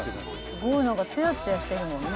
すごい何かツヤツヤしてるもんね